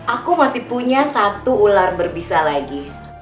aku masih punya satu ular berbisa lagi